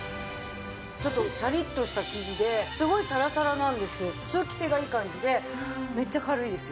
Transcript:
ちょっとシャリッとした生地ですごいサラサラなんですけど通気性がいい感じでめっちゃ軽いですよ。